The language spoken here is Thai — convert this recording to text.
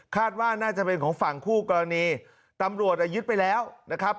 ว่าน่าจะเป็นของฝั่งคู่กรณีตำรวจอ่ะยึดไปแล้วนะครับ